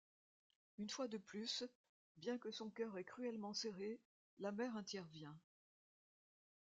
Une fois de plus, bien que son cœur est cruellement serré, la mère intervient.